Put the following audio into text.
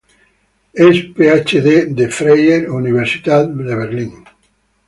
Es PhD de Freie Universität Berlin.